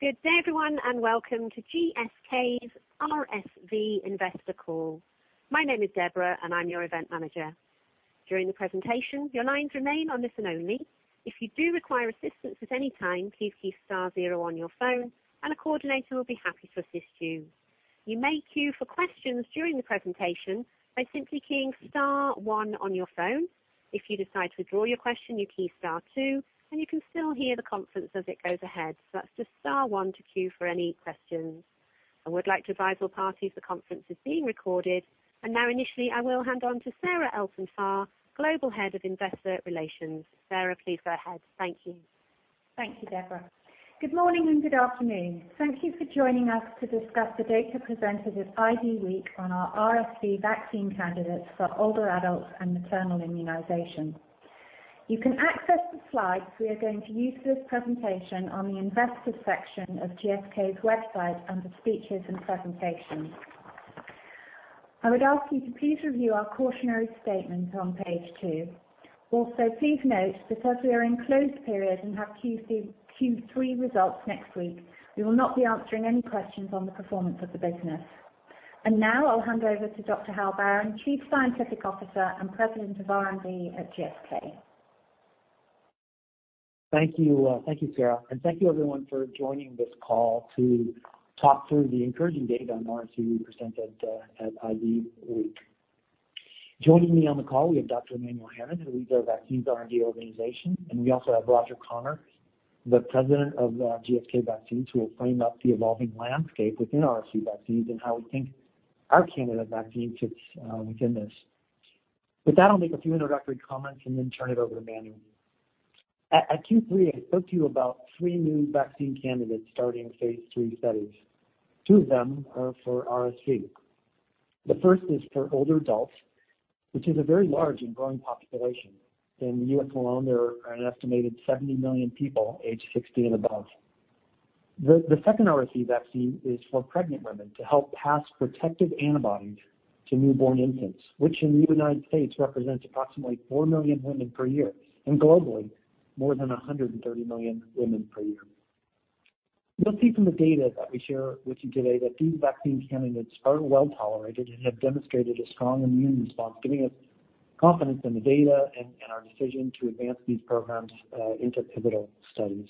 Good day everyone. Welcome to GSK's RSV Investor Call. My name is Deborah and I'm your event manager. During the presentation, your lines remain on listen only. If you do require assistance at any time, please key star zero on your phone and a coordinator will be happy to assist you. You may queue for questions during the presentation by simply keying star one on your phone. If you decide to withdraw your question, you key star two, and you can still hear the conference as it goes ahead. That's just star one to queue for any questions. I would like to advise all parties the conference is being recorded. Now initially I will hand on to Sarah Elton-Farr, Global Head of Investor Relations. Sarah, please go ahead. Thank you. Thank you, Deborah. Good morning and good afternoon. Thank you for joining us to discuss the data presented at IDWeek on our RSV vaccine candidates for older adults and maternal immunization. You can access the slides we are going to use for this presentation on the investor section of GSK's website under Speeches and Presentations. I would ask you to please review our cautionary statement on page two. Also, please note that as we are in closed period and have Q3 results next week, we will not be answering any questions on the performance of the business. Now I'll hand over to Dr Hal Barron, Chief Scientific Officer and President of R&D at GSK. Thank you, Sarah. Thank you everyone for joining this call to talk through the encouraging data on RSV presented at IDWeek. Joining me on the call, we have Dr Emmanuel Hanon, who leads our vaccines R&D organization, and we also have Roger Connor, the President of GSK Vaccines, who will frame up the evolving landscape within RSV vaccines and how we think our candidate vaccine fits within this. With that, I'll make a few introductory comments and then turn it over to Emmanuel. At Q3, I spoke to you about three new vaccine candidates starting phase III studies. Two of them are for RSV. The first is for older adults, which is a very large and growing population. In the U.S. alone, there are an estimated 70 million people aged 60 and above. The second RSV vaccine is for pregnant women to help pass protective antibodies to newborn infants, which in the U.S. represents approximately four million women per year, and globally, more than 130 million women per year. You'll see from the data that we share with you today that these vaccine candidates are well-tolerated and have demonstrated a strong immune response, giving us confidence in the data and our decision to advance these programs into pivotal studies.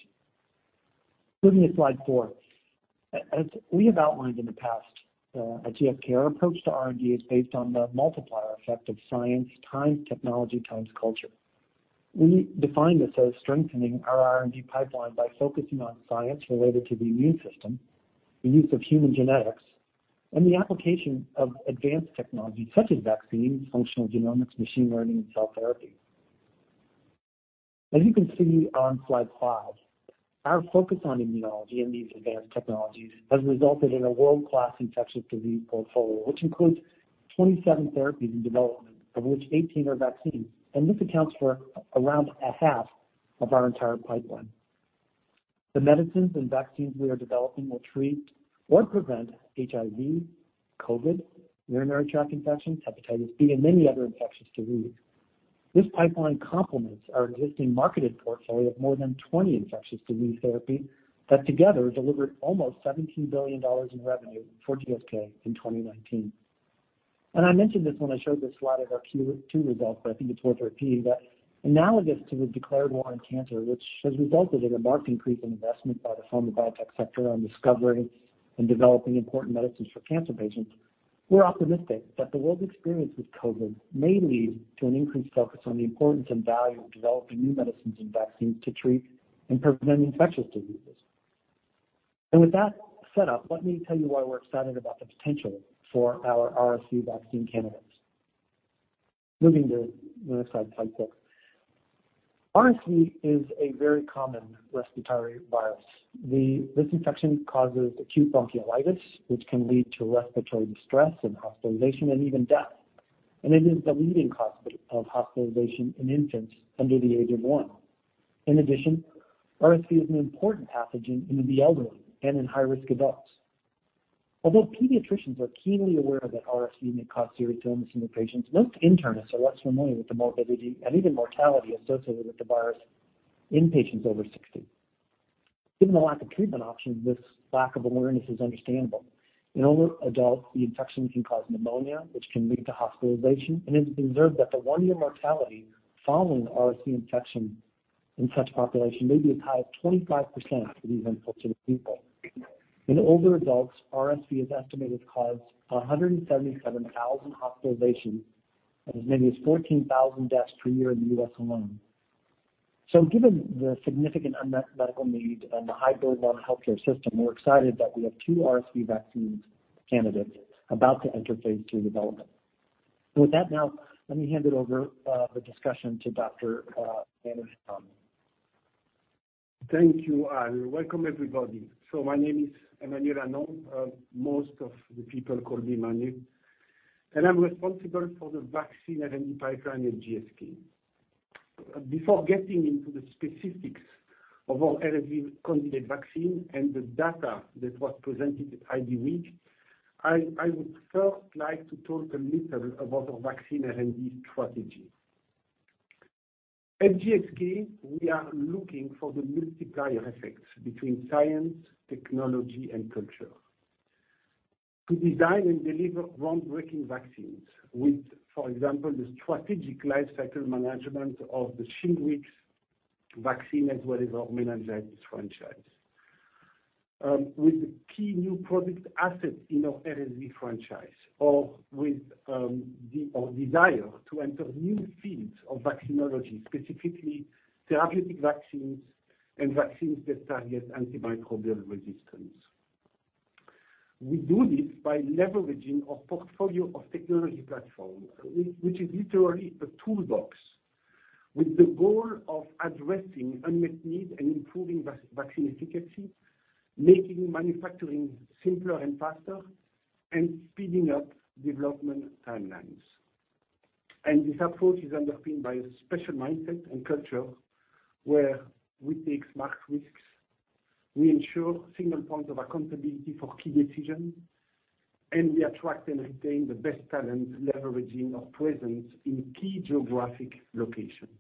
Moving to slide four. As we have outlined in the past at GSK, our approach to R&D is based on the multiplier effect of science times technology times culture. We define this as strengthening our R&D pipeline by focusing on science related to the immune system, the use of human genetics, and the application of advanced technology such as vaccines, functional genomics, machine learning, and cell therapy. As you can see on slide five, our focus on immunology and these advanced technologies has resulted in a world-class infectious disease portfolio, which includes 27 therapies in development, of which 18 are vaccines, and this accounts for around a half of our entire pipeline. The medicines and vaccines we are developing will treat or prevent HIV, COVID, urinary tract infections, hepatitis B, and many other infectious disease. This pipeline complements our existing marketed portfolio of more than 20 infectious disease therapy that together delivered almost $17 billion in revenue for GSK in 2019. I mentioned this when I showed the slide of our Q2 results, but I think it's worth repeating that analogous to the declared war on cancer, which has resulted in a marked increase in investment by the pharma biotech sector on discovering and developing important medicines for cancer patients, we're optimistic that the world's experience with COVID may lead to an increased focus on the importance and value of developing new medicines and vaccines to treat and prevent infectious diseases. With that set up, let me tell you why we're excited about the potential for our RSV vaccine candidates. Moving to the next slide six. RSV is a very common respiratory virus. This infection causes acute bronchiolitis, which can lead to respiratory distress and hospitalization and even death, and it is the leading cause of hospitalization in infants under the age of one. In addition, RSV is an important pathogen in the elderly and in high-risk adults. Although pediatricians are keenly aware that RSV may cause serious illness in their patients, most internists are less familiar with the morbidity and even mortality associated with the virus in patients over 60. Given the lack of treatment options, this lack of awareness is understandable. In older adults, the infection can cause pneumonia, which can lead to hospitalization, and it's observed that the one-year mortality following RSV infection in such population may be as high as 25% for these unfortunate people. In older adults, RSV is estimated to cause 177,000 hospitalizations and as many as 14,000 deaths per year in the U.S. alone. Given the significant unmet medical need and the high burden on the healthcare system, we're excited that we have two RSV vaccine candidates about to enter phase III development. With that, now let me hand it over the discussion to Dr Hanon. Thank you. Welcome everybody. My name is Emmanuel Hanon. Most of the people call me Manu, and I'm responsible for the vaccine R&D pipeline at GSK. Before getting into the specifics of our RSV candidate vaccine and the data that was presented at IDWeek, I would first like to talk a little about our vaccine R&D strategy. At GSK, we are looking for the multiplier effects between science, technology, and culture to design and deliver groundbreaking vaccines with, for example, the strategic life cycle management of the SHINGRIX vaccine, as well as our meningitis franchise. With key new product assets in our RSV franchise or with our desire to enter new fields of vaccinology, specifically therapeutic vaccines and vaccines that target antimicrobial resistance. We do this by leveraging our portfolio of technology platforms, which is literally a toolbox with the goal of addressing unmet need and improving vaccine efficacy, making manufacturing simpler and faster, and speeding up development timelines. This approach is underpinned by a special mindset and culture where we take smart risks, we ensure single point of accountability for key decisions, and we attract and retain the best talent, leveraging our presence in key geographic locations.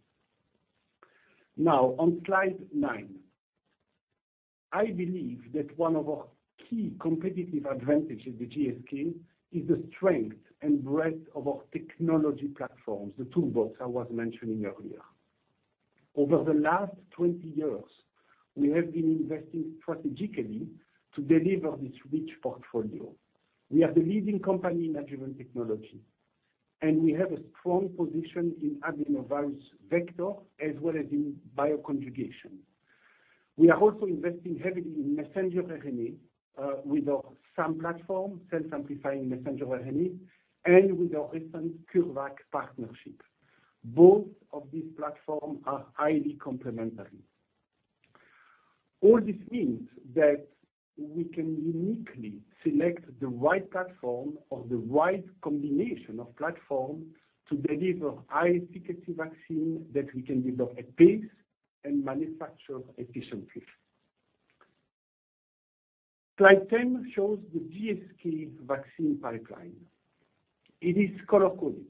Now, on slide nine. I believe that one of our key competitive advantages at GSK is the strength and breadth of our technology platforms, the toolbox I was mentioning earlier. Over the last 20 years, we have been investing strategically to deliver this rich portfolio. We are the leading company in adjuvant technology, and we have a strong position in adenovirus vector, as well as in bioconjugation. We are also investing heavily in messenger RNA with our SAM platform, self-amplifying messenger RNA, and with our recent CureVac partnership. Both of these platforms are highly complementary. All this means that we can uniquely select the right platform or the right combination of platforms to deliver high efficacy vaccine that we can develop at pace and manufacture efficiently. Slide 10 shows the GSK vaccine pipeline. It is color-coded.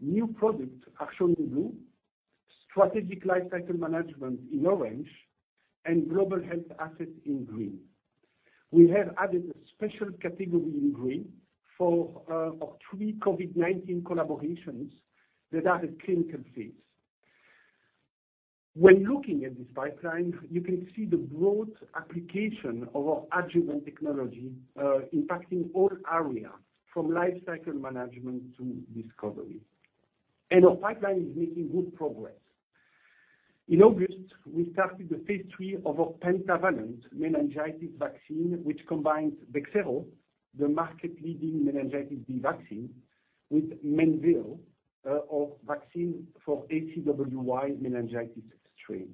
New products are shown in blue, strategic life cycle management in orange, and global health assets in green. We have added a special category in green for our three COVID-19 collaborations that are at clinical phase. When looking at this pipeline, you can see the broad application of our adjuvant technology, impacting all areas from life cycle management to discovery. Our pipeline is making good progress. In August, we started the phase III of our pentavalent meningitis vaccine, which combines BEXSERO, the market leading meningitis B vaccine, with MENVEO, a vaccine for ACWY meningitis strain.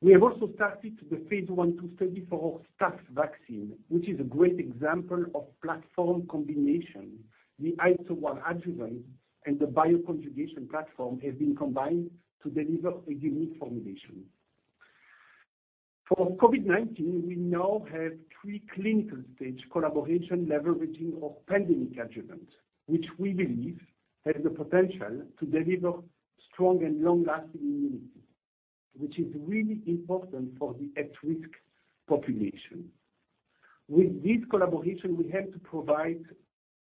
We have also started the phase I/II study for our Staph vaccine, which is a great example of platform combination. The AS01 adjuvant and the bioconjugation platform have been combined to deliver a unique formulation. For COVID-19, we now have three clinical stage collaboration leveraging our pandemic adjuvant, which we believe has the potential to deliver strong and long-lasting immunity, which is really important for the at-risk population. With this collaboration, we hope to provide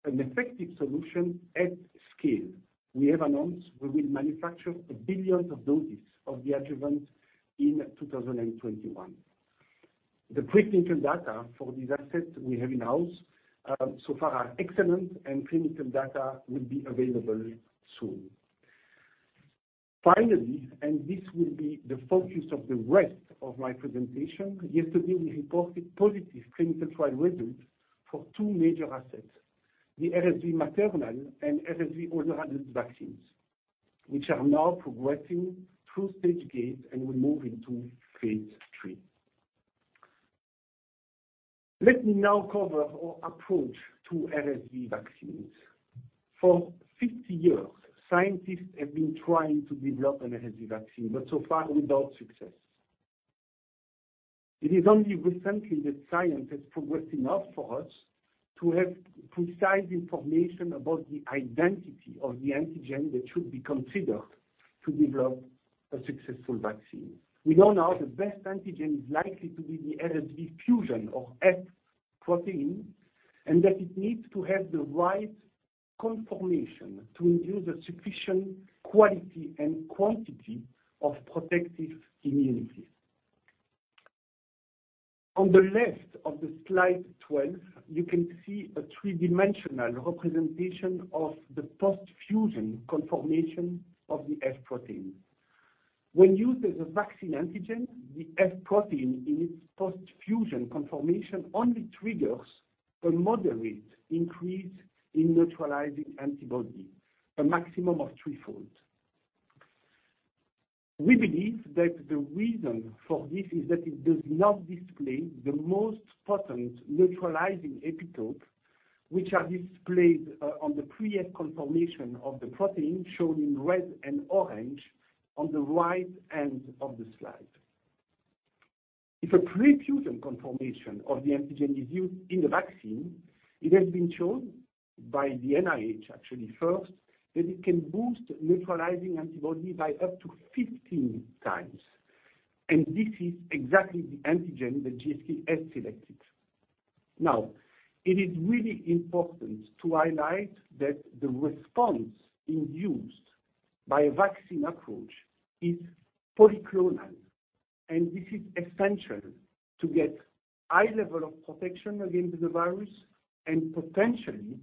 an effective solution at scale. We have announced we will manufacture a billion doses of the adjuvant in 2021. The preclinical data for this asset we have in-house so far are excellent, and clinical data will be available soon. Finally, this will be the focus of the rest of my presentation, yesterday, we reported positive clinical trial results for two major assets, the RSV maternal and RSV older adult vaccines, which are now progressing through stage gate and will move into phase III. Let me now cover our approach to RSV vaccines. For 50 years, scientists have been trying to develop an RSV vaccine, but so far, without success. It is only recently that science has progressed enough for us to have precise information about the identity of the antigen that should be considered to develop a successful vaccine. We know now the best antigen is likely to be the RSV fusion or F protein, and that it needs to have the right conformation to induce a sufficient quality and quantity of protective immunity. On the left of slide 12, you can see a three-dimensional representation of the postfusion conformation of the F protein. When used as a vaccine antigen, the F protein in its postfusion conformation only triggers a moderate increase in neutralizing antibody, a maximum of threefold. We believe that the reason for this is that it does not display the most potent neutralizing epitopes, which are displayed on the pre-S conformation of the protein shown in red and orange on the right end of the slide. If a prefusion conformation of the antigen is used in the vaccine, it has been shown by the NIH actually first, that it can boost neutralizing antibodies by up to 15 times. This is exactly the antigen that GSK has selected. It is really important to highlight that the response induced by a vaccine approach is polyclonal. This is essential to get a high level of protection against the virus and potentially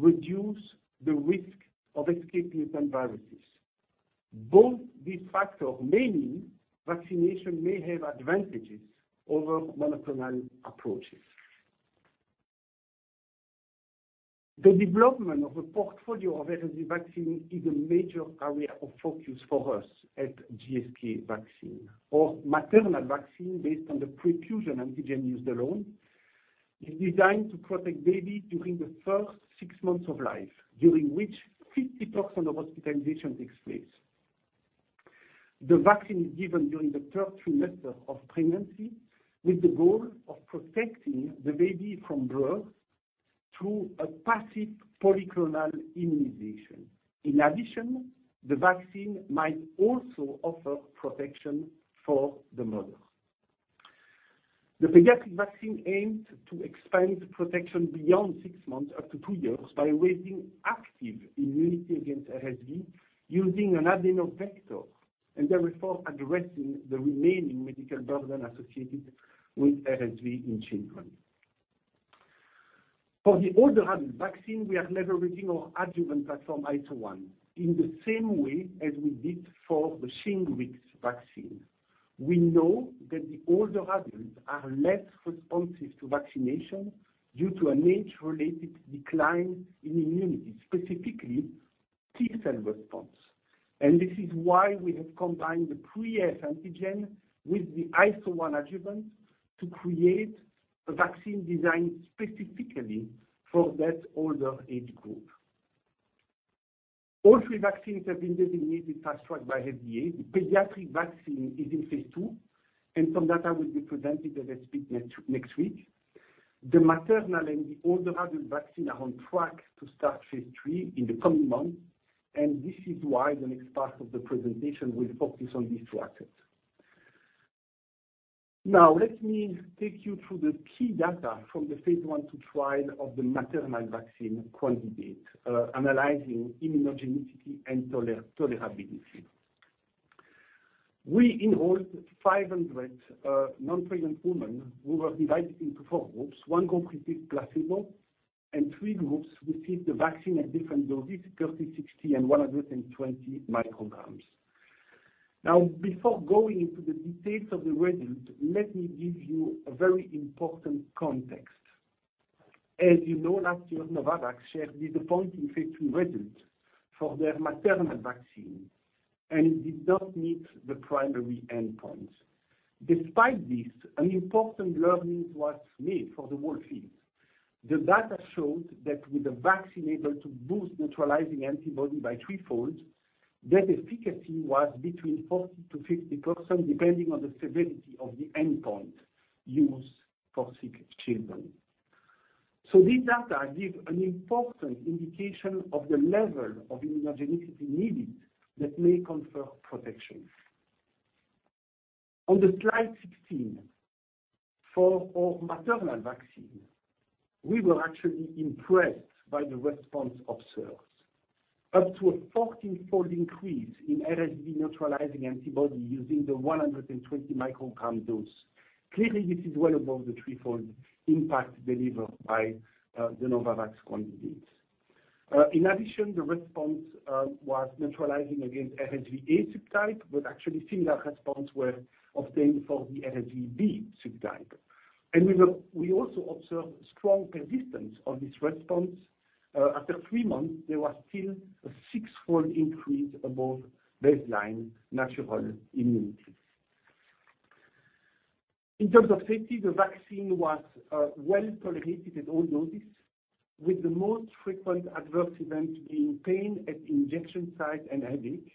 reduce the risk of escaping mutant viruses. Both these factors may mean vaccination may have advantages over monoclonal approaches. The development of a portfolio of RSV vaccine is a major area of focus for us at GSK Vaccines. Our maternal vaccine, based on the prefusion antigen used alone, is designed to protect babies during the first six months of life, during which 50% of hospitalizations takes place. The vaccine is given during the third trimester of pregnancy with the goal of protecting the baby from birth through a passive polyclonal immunization. In addition, the vaccine might also offer protection for the mother. The pediatric vaccine aims to expand protection beyond six months up to two years by raising active immunity against RSV, using an adeno vector, and therefore addressing the remaining medical burden associated with RSV in children. For the older adult vaccine, we are leveraging our adjuvant platform AS01 in the same way as we did for the SHINGRIX vaccine. We know that older adults are less responsive to vaccination due to an age-related decline in immunity, specifically T cell response. This is why we have combined the pre-F antigen with the AS01 adjuvant to create a vaccine designed specifically for that older age group. All three vaccines have been designated Fast Track by FDA. The pediatric vaccine is in phase II, and some data will be presented at ESPID next week. The maternal and the older adult vaccine are on track to start phase III in the coming months, and this is why the next part of the presentation will focus on these two assets. Now, let me take you through the key data from the phase I/II trial of the maternal vaccine candidate, analyzing immunogenicity and tolerability. We enrolled 500 non-pregnant women who were divided into four groups. One group received placebo, and three groups received the vaccine at different doses, 30, 60, and 120 micrograms. Now, before going into the details of the results, let me give you a very important context. As you know, last year Novavax shared disappointing phase II results for their maternal vaccine, and it did not meet the primary endpoint. Despite this, an important learning was made for the whole field. The data showed that with a vaccine able to boost neutralizing antibody by threefold, that efficacy was between 40%-50%, depending on the severity of the endpoint used for sick children. This data gives an important indication of the level of immunogenicity needed that may confer protection. On slide 16, for our maternal vaccine, we were actually impressed by the response observed, up to a 14-fold increase in RSV neutralizing antibody using the 120 microgram dose. Clearly, this is well above the threefold impact delivered by the Novavax candidates. In addition, the response was neutralizing against RSVA subtype, but actually similar response were obtained for the RSVB subtype. We also observed strong persistence of this response. After three months, there was still a six-fold increase above baseline natural immunity. In terms of safety, the vaccine was well-tolerated at all doses, with the most frequent adverse events being pain at injection site and headache.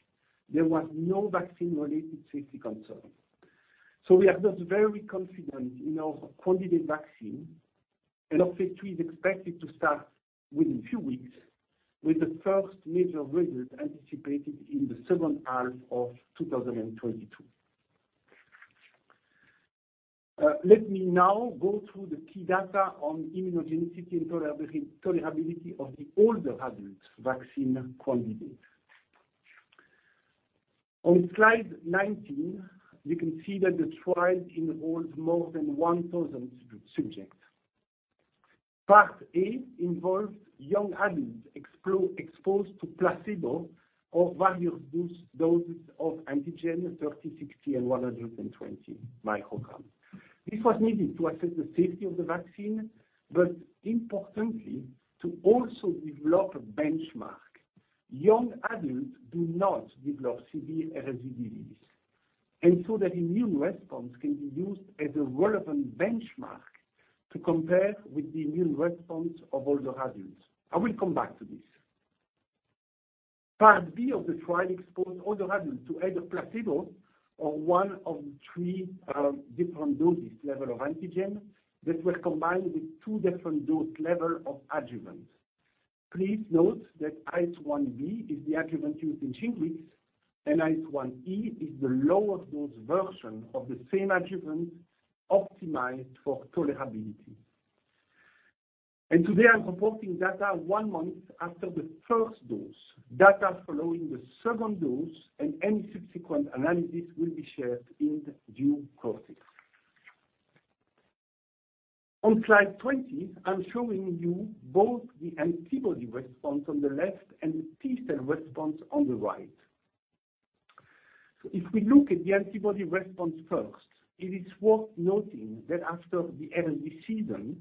There was no vaccine-related safety concern. We are just very confident in our candidate vaccine, and phase III is expected to start within a few weeks, with the first major result anticipated in the second half of 2022. Let me now go through the key data on immunogenicity and tolerability of the older adults vaccine candidate. On slide 19, you can see that the trial involves more than 1,000 subjects. Part A involves young adults exposed to placebo or various doses of antigen, 30, 60, and 120 micrograms. This was needed to assess the safety of the vaccine, but importantly, to also develop a benchmark. Young adults do not develop severe RSV disease, and so their immune response can be used as a relevant benchmark to compare with the immune response of older adults. I will come back to this. Part B of the trial exposed older adults to either placebo or one of three different dosage levels of antigen that were combined with two different dose levels of adjuvants. Please note that AS01B is the adjuvant used in SHINGRIX, and AS01E is the lower dose version of the same adjuvant optimized for tolerability. Today, I'm reporting data one month after the first dose. Data following the second dose and any subsequent analysis will be shared in due course. On slide 20, I'm showing you both the antibody response on the left and the T cell response on the right. If we look at the antibody response first, it is worth noting that after the RSV season,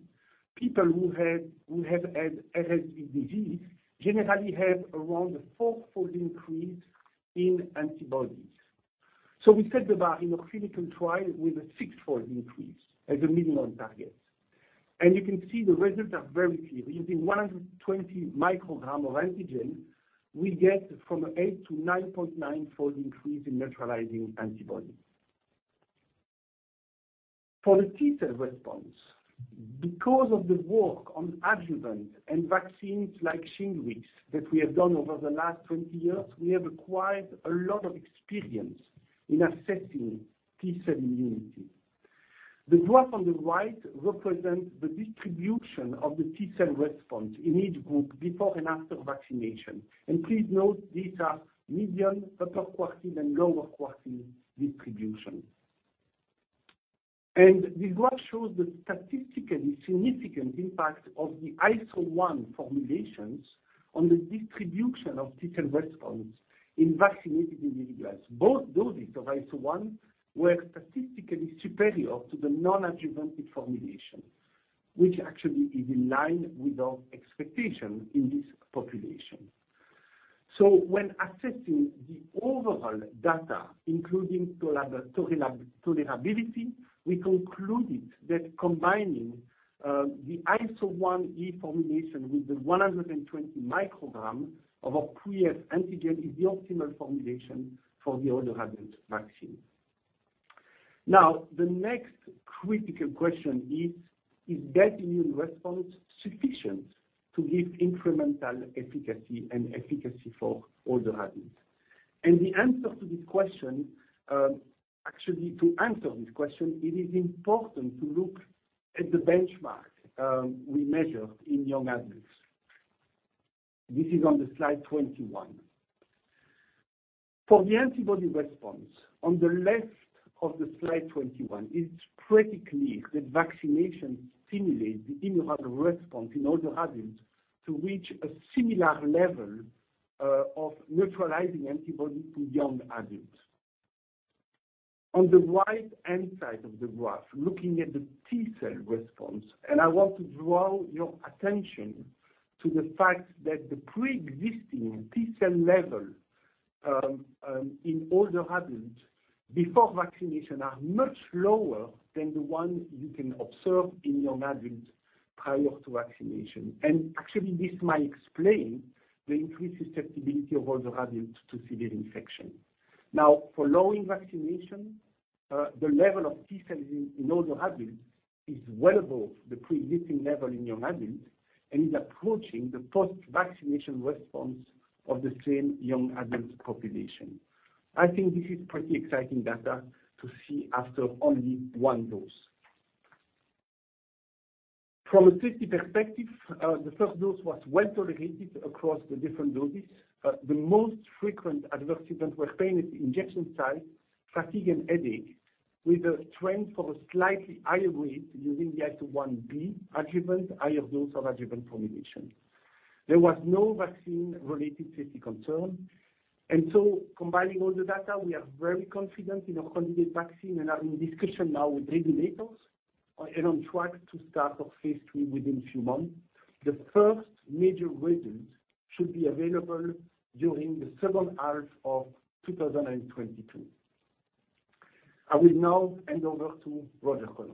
people who have had RSV disease generally have around a four-fold increase in antibodies. We set the bar in our clinical trial with a six-fold increase as a minimum target. You can see the results are very clear. Using 120 microgram of antigen, we get from eight to 9.9-fold increase in neutralizing antibody. For the T cell response, because of the work on adjuvant and vaccines like SHINGRIX that we have done over the last 20 years, we have acquired a lot of experience in assessing T cell immunity. The graph on the right represents the distribution of the T cell response in each group before and after vaccination. Please note these are median, upper quartile, and lower quartile distribution. This graph shows the statistically significant impact of the AS01 formulations on the distribution of T cell response in vaccinated individuals. Both doses of AS01 were statistically superior to the non-adjuvanted formulation, which actually is in line with our expectation in this population. When assessing the overall data, including tolerability, we concluded that combining the AS01E formulation with the 120 microgram of our pre-S antigen is the optimal formulation for the older adult vaccine. Now, the next critical question is that immune response sufficient to give incremental efficacy and efficacy for older adults? Actually, to answer this question, it is important to look at the benchmark we measured in young adults. This is on slide 21. For the antibody response, on the left of slide 21, it is pretty clear that vaccination stimulates the immune response in older adults to reach a similar level of neutralizing antibody to young adults. On the right-hand side of the graph, looking at the T cell response, and I want to draw your attention to the fact that the pre-existing T cell level in older adults before vaccination are much lower than the one you can observe in young adults prior to vaccination. Actually, this might explain the increased susceptibility of older adults to severe infection. Now, following vaccination, the level of T cells in older adults is well above the pre-existing level in young adults and is approaching the post-vaccination response of the same young adult population. I think this is pretty exciting data to see after only one dose. From a safety perspective, the first dose was well-tolerated across the different doses. The most frequent adverse events were pain at the injection site, fatigue, and headache, with a trend for a slightly higher rate using the AS01B adjuvant, higher dose of adjuvant formulation. There was no vaccine-related safety concern. Combining all the data, we are very confident in our candidate vaccine and are in discussion now with regulators and on track to start our phase III within a few months. The first major readouts should be available during the second half of 2022. I will now hand over to Roger Connor.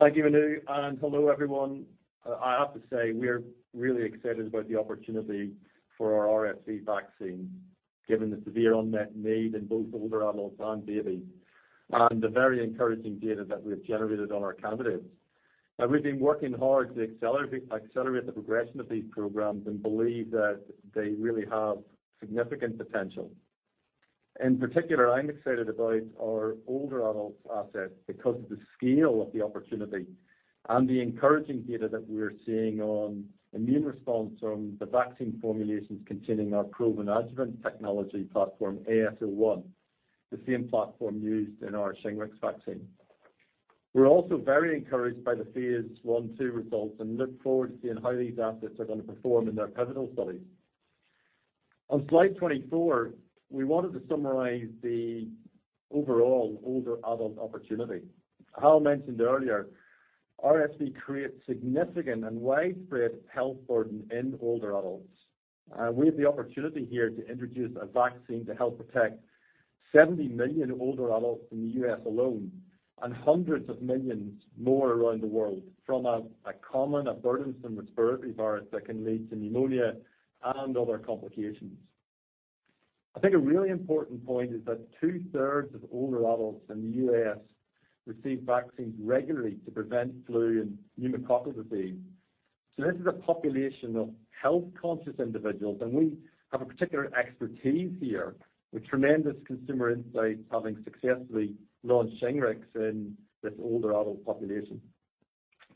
Thank you, Manu, and hello, everyone. I have to say, we are really excited about the opportunity for our RSV vaccine, given the severe unmet need in both older adults and babies, and the very encouraging data that we've generated on our candidates. We've been working hard to accelerate the progression of these programs and believe that they really have significant potential. In particular, I'm excited about our older adults asset because of the scale of the opportunity and the encouraging data that we're seeing on immune response from the vaccine formulations containing our proven adjuvant technology platform, AS01, the same platform used in our SHINGRIX vaccine. We're also very encouraged by the phase I, II results and look forward to seeing how these assets are going to perform in their pivotal studies. On slide 24, we wanted to summarize the overall older adult opportunity. Hal mentioned earlier, RSV creates significant and widespread health burden in older adults. We have the opportunity here to introduce a vaccine to help protect 70 million older adults in the U.S. alone, and hundreds of millions more around the world, from a common, a burdensome respiratory virus that can lead to pneumonia and other complications. I think a really important point is that two-thirds of older adults in the U.S. receive vaccines regularly to prevent flu and pneumococcal disease. This is a population of health-conscious individuals, and we have a particular expertise here with tremendous consumer insights, having successfully launched SHINGRIX in this older adult population.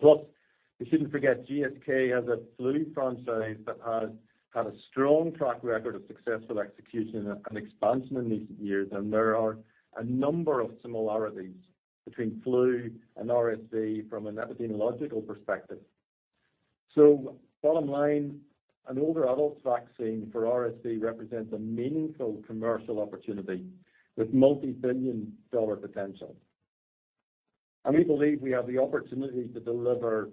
We shouldn't forget, GSK has a flu franchise that has had a strong track record of successful execution and expansion in recent years, and there are a number of similarities between flu and RSV from an epidemiological perspective. Bottom line, an older adult vaccine for RSV represents a meaningful commercial opportunity with multi-billion GBP potential. We believe we have the opportunity to deliver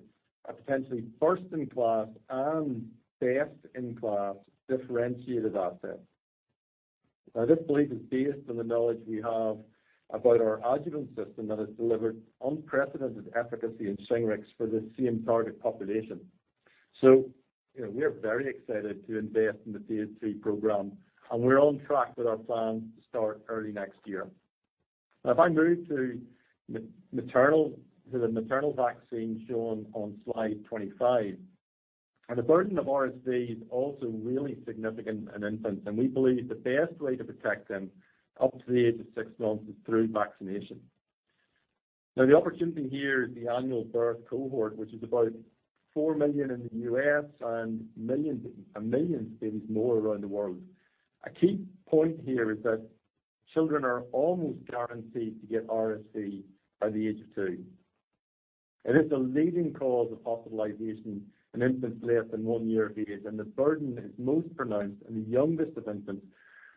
a potentially first-in-class and best-in-class differentiated asset. This belief is based on the knowledge we have about our adjuvant system that has delivered unprecedented efficacy in SHINGRIX for the same target population. We are very excited to invest in the phase II program, and we're on track with our plans to start early next year. If I move to the maternal vaccine shown on slide 25. The burden of RSV is also really significant in infants, and we believe the best way to protect them up to the age of six months is through vaccination. The opportunity here is the annual birth cohort, which is about 4 million in the U.S. and millions babies more around the world. A key point here is that children are almost guaranteed to get RSV by the age of two. It is a leading cause of hospitalization in infants less than one year of age, and the burden is most pronounced in the youngest of infants,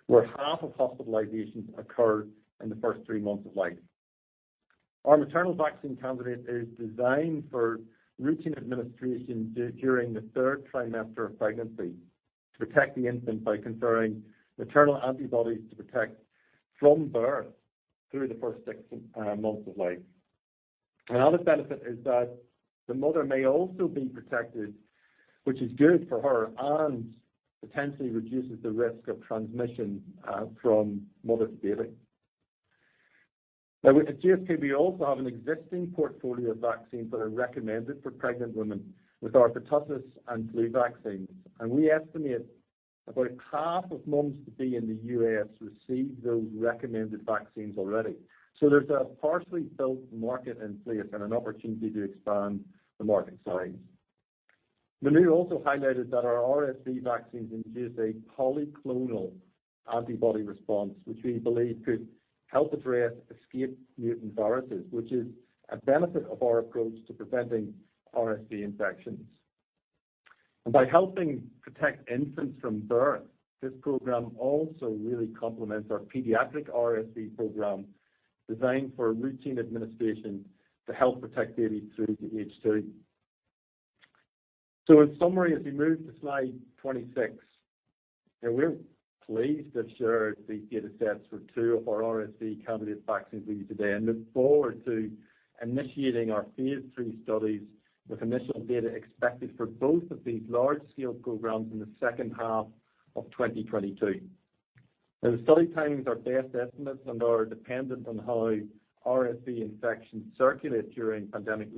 where half of hospitalizations occur in the first three months of life. Our maternal vaccine candidate is designed for routine administration during the third trimester of pregnancy to protect the infant by conferring maternal antibodies to protect from birth through the first six months of life. Another benefit is that the mother may also be protected, which is good for her and potentially reduces the risk of transmission from mother to baby. At GSK, we also have an existing portfolio of vaccines that are recommended for pregnant women with our pertussis and flu vaccines, and we estimate about half of moms-to-be in the U.S. receive those recommended vaccines already. There's a partially built market in place and an opportunity to expand the market size. Manu also highlighted that our RSV vaccines induce a polyclonal antibody response, which we believe could help address escaped mutant viruses, which is a benefit of our approach to preventing RSV infections. By helping protect infants from birth, this program also really complements our pediatric RSV program designed for routine administration to help protect babies through to age two. In summary, as we move to slide 26, we're pleased to share these data sets for two of our RSV candidate vaccines with you today and look forward to initiating our phase III studies with initial data expected for both of these large-scale programs in the second half of 2022. The study timings are best estimates and are dependent on how RSV infections circulate during pandemic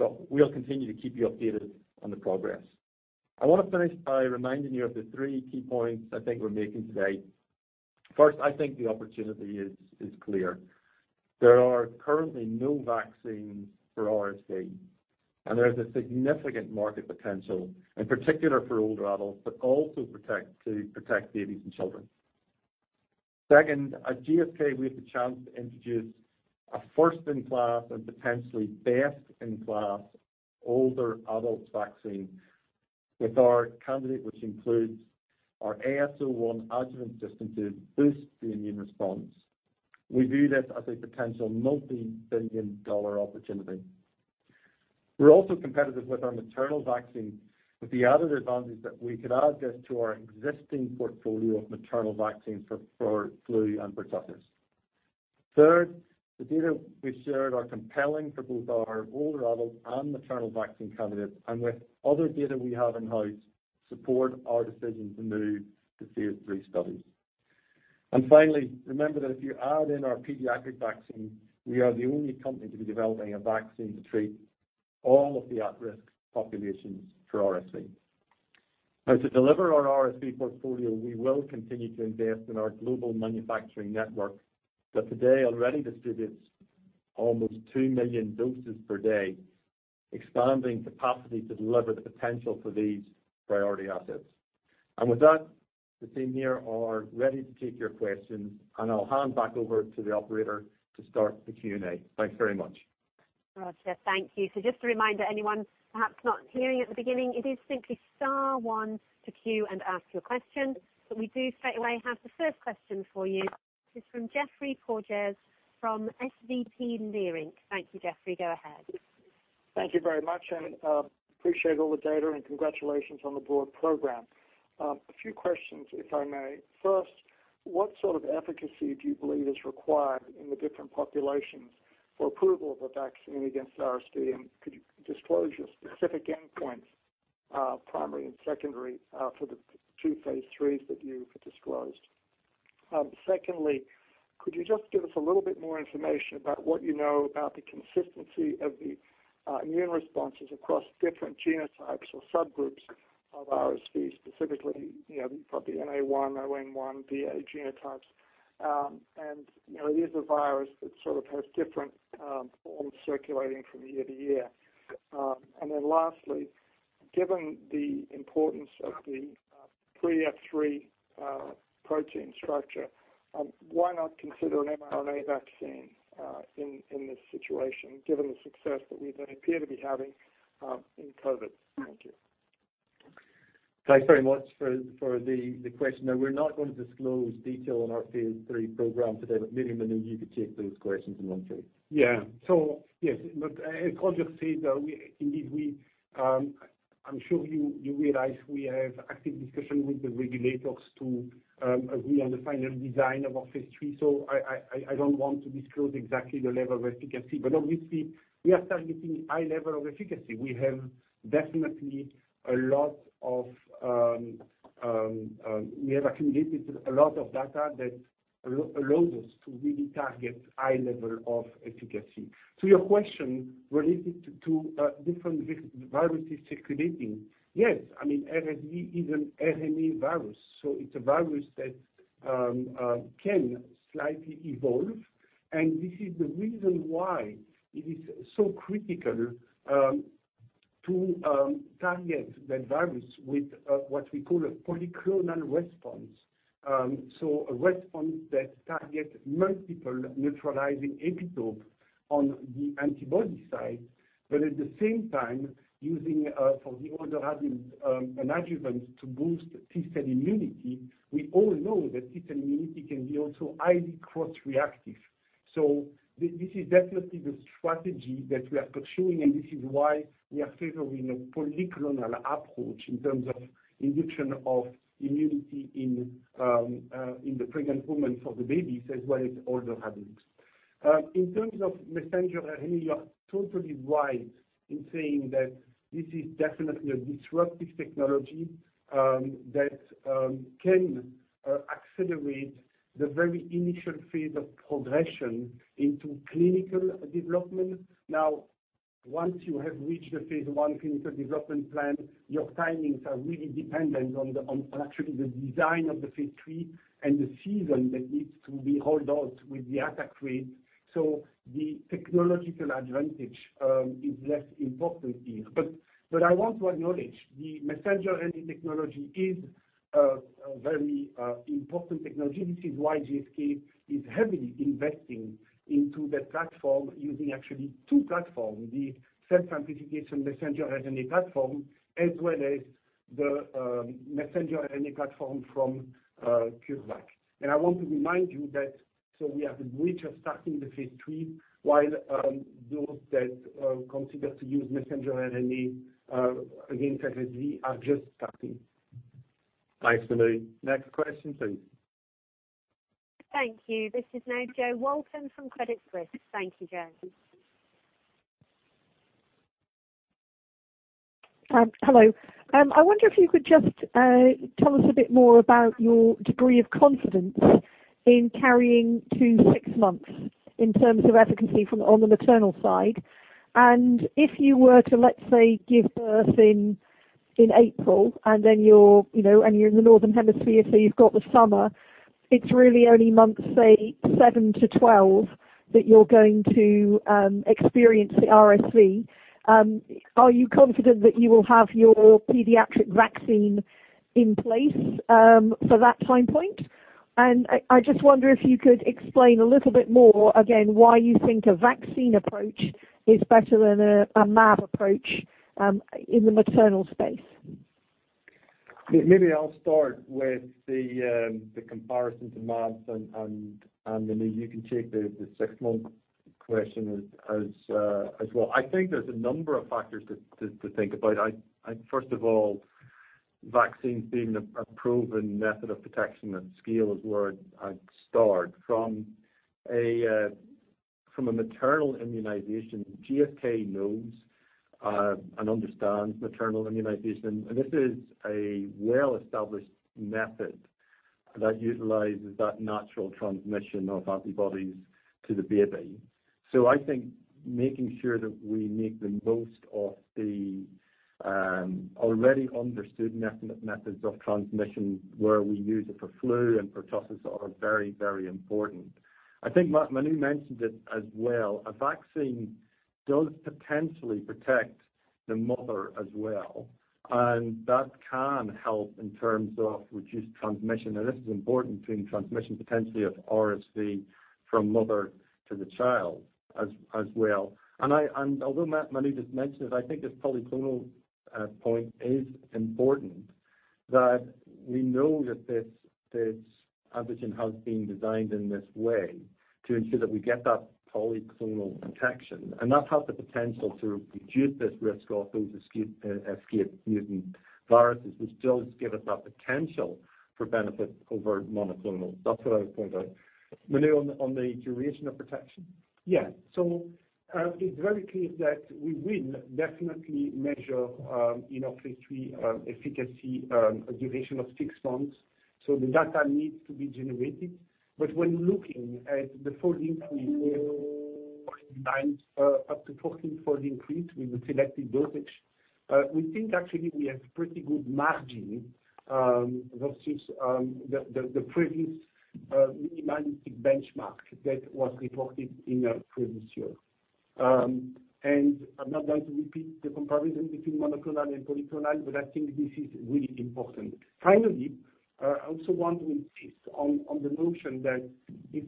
lockdowns. We'll continue to keep you updated on the progress. I want to finish by reminding you of the three key points I think we're making today. First, I think the opportunity is clear. There are currently no vaccines for RSV, and there is a significant market potential, in particular for older adults, but also to protect babies and children. Second, at GSK, we have the chance to introduce a first-in-class and potentially best-in-class older adult vaccine with our candidate, which includes our AS01 adjuvant system to boost the immune response. We view this as a potential multi-billion GBP opportunity. We're also competitive with our maternal vaccine, with the added advantage that we could add this to our existing portfolio of maternal vaccines for flu and pertussis. Third, the data we shared are compelling for both our older adult and maternal vaccine candidates, and with other data we have in-house, support our decision to move to Phase III studies. Finally, remember that if you add in our pediatric vaccine, we are the only company to be developing a vaccine to treat all of the at-risk populations for RSV. Now to deliver our RSV portfolio, we will continue to invest in our global manufacturing network that today already distributes almost two million doses per day, expanding capacity to deliver the potential for these priority assets. With that, the team here are ready to take your questions, and I'll hand back over to the operator to start the Q&A. Thanks very much. Roger, thank you. Just a reminder, anyone perhaps not hearing at the beginning, it is simply star one to queue and ask your question. We do straight away have the first question for you. This is from Geoffrey Porges from SVB Leerink. Thank you, Geoffrey. Go ahead. Thank you very much, and appreciate all the data, and congratulations on the broad program. A few questions, if I may. First, what sort of efficacy do you believe is required in the different populations for approval of a vaccine against RSV? Could you disclose your specific endpoints, primary and secondary, for the two phase III that you've disclosed? Secondly, could you just give us a little bit more information about what you know about the consistency of the immune responses across different genotypes or subgroups of RSV, specifically, the NA1, ON1, BA genotypes? It is a virus that sort of has different forms circulating from year to year. Lastly, given the importance of the pre-F3 protein structure, why not consider an mRNA vaccine in this situation, given the success that we appear to be having in COVID? Thank you. Thanks very much for the question. We're not going to disclose detail on our phase III program today, but maybe, Manu, you could take those questions in one turn. Yes, as Roger said, I'm sure you realize we have active discussion with the regulators to agree on the final design of our phase III. I don't want to disclose exactly the level of efficacy. Obviously, we are targeting high level of efficacy. We have accumulated a lot of data that allows us to really target high level of efficacy. To your question, related to different viruses circulating. Yes, RSV is an RNA virus. It's a virus that can slightly evolve. This is the reason why it is so critical to target that virus with what we call a polyclonal response. A response that targets multiple neutralizing epitopes on the antibody side. At the same time, using, for the older adults, an adjuvant to boost T cell immunity. We all know that T cell immunity can be also highly cross-reactive. This is definitely the strategy that we are pursuing, and this is why we are favoring a polyclonal approach in terms of induction of immunity in the pregnant women for the babies as well as older adults. In terms of mRNA, you are totally right in saying that this is definitely a disruptive technology that can accelerate the very initial phase of progression into clinical development. Once you have reached the phase I clinical development plan, your timings are really dependent on actually the design of the phase III and the season that needs to be held out with the attack rate. The technological advantage is less important here. I want to acknowledge, the mRNA technology is a very important technology. This is why GSK is heavily investing into the platform using actually two platforms, the self-amplification messenger RNA platform, as well as the messenger RNA platform from CureVac. I want to remind you that we are the bridge of starting the phase III while those that consider to use messenger RNA against RSV are just starting. Thanks, Manu. Next question, please. Thank you. This is now Jo Walton from Credit Suisse. Thank you, Jo. Hello. I wonder if you could just tell us a bit more about your degree of confidence in carrying to six months in terms of efficacy on the maternal side. If you were to, let's say, give birth in April, and you're in the Northern Hemisphere, so you've got the summer, it's really only months, say, seven to 12, that you're going to experience the RSV. Are you confident that you will have your pediatric vaccine in place for that time point? I just wonder if you could explain a little bit more, again, why you think a vaccine approach is better than a mAb approach in the maternal space. Maybe I'll start with the comparison to mAbs, and, Manu, you can take the six-month question as well. I think there's a number of factors to think about. First of all, vaccines being a proven method of protection and scale is where I'd start. From a maternal immunization, GSK knows and understands maternal immunization. This is a well-established method that utilizes that natural transmission of antibodies to the baby. I think making sure that we make the most of the already understood methods of transmission, where we use it for flu and pertussis are very important. I think Manu mentioned it as well. A vaccine does potentially protect the mother as well, and that can help in terms of reduced transmission. This is important between transmission, potentially of RSV from mother to the child as well. Although Manu just mentioned it, I think this polyclonal point is important. We know that this antigen has been designed in this way to ensure that we get that polyclonal protection, and that has the potential to reduce this risk of those escape mutant viruses, which does give us that potential for benefit over monoclonal. That's what I would point out. Manu, on the duration of protection? It's very clear that we will definitely measure in our phase III efficacy, a duration of six months. The data needs to be generated. When looking at the 14-fold increase with the selected dosage, we think actually we have pretty good margin versus the previous minimalistic benchmark that was reported in a previous year. I'm not going to repeat the comparison between monoclonal and polyclonal, but I think this is really important. Finally, I also want to insist on the notion that it,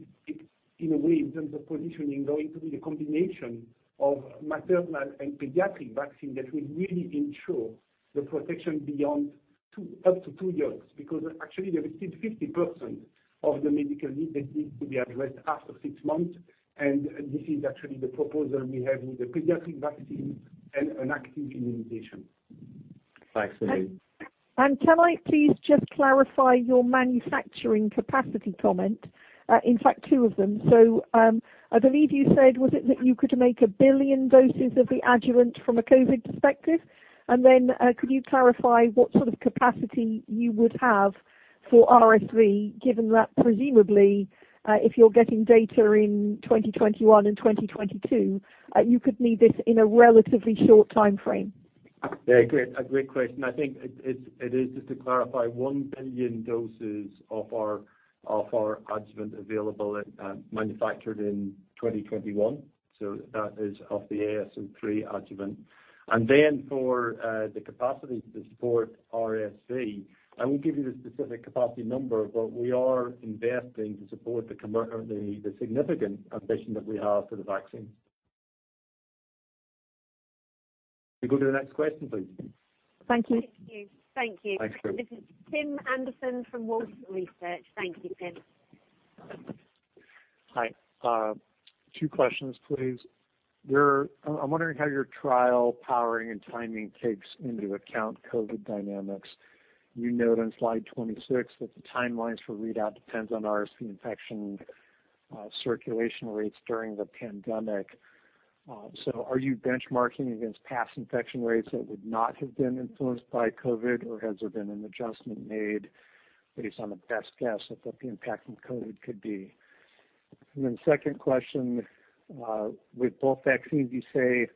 in a way, in terms of positioning, going to be the combination of maternal and pediatric vaccine that will really ensure the protection beyond up to two years. Actually there is still 50% of the medical need that needs to be addressed after six months, and this is actually the proposal we have with the pediatric vaccine and an active immunization. Thanks, Manu. Can I please just clarify your manufacturing capacity comment? In fact, two of them. I believe you said, was it that you could make a billion doses of the adjuvant from a COVID perspective? Could you clarify what sort of capacity you would have for RSV, given that presumably, if you're getting data in 2021 and 2022, you could need this in a relatively short timeframe. Yeah, a great question. I think it is just to clarify, one billion doses of our adjuvant available and manufactured in 2021. That is of the AS03 adjuvant. For the capacity to support RSV, I won't give you the specific capacity number, we are investing to support the significant ambition that we have for the vaccine. Can we go to the next question, please? Thank you. Thank you. Thanks. This is Tim Anderson from Wolfe Research. Thank you, Tim. Hi. Two questions, please. I'm wondering how your trial powering and timing takes into account COVID dynamics. You note on slide 26 that the timelines for readout depends on RSV infection circulation rates during the pandemic. Are you benchmarking against past infection rates that would not have been influenced by COVID, or has there been an adjustment made based on a best guess at what the impact of COVID could be? Second question, with both vaccines, you say,